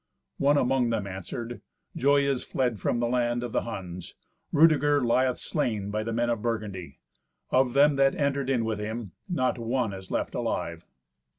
One among them answered, "Joy is fled from the land of the Huns. Rudeger lieth slain by the men of Burgundy. Of them that entered in with him, not one is left alive."